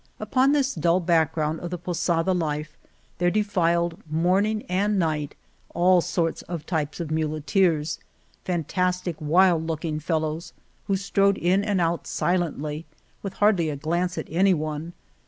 Upon this dull background of the posada life there defiled morning and night all sorts of types of muleteers — fantastic, wild look ing fellows, who strode in and out silently with hardly a glance at anyone.